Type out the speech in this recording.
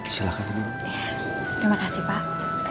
silakan terima kasih pak